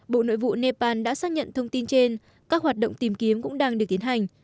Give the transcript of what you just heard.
bộ nội vụ nepal đã xác nhận thông tin trên các hoạt động tìm kiếm cũng đang được tiến hành